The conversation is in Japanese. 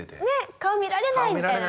「顔見られない」みたいな。